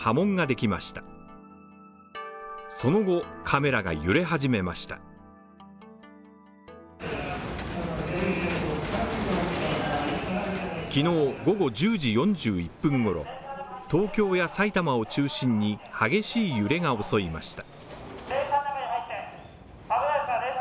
きのう午後１０時４１分ごろ、東京や埼玉を中心に激しい揺れが襲いました。